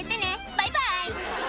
バイバイ